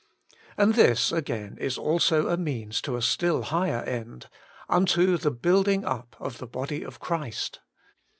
And this, again, is also a means to a still higher end: tuito the building up of the body of Christ.